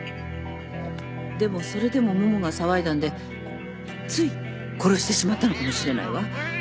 でもそれでもモモが騒いだんでつい殺してしまったのかもしれないわ。